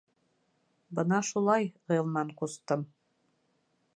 — Бына шулай, Ғилман ҡустым.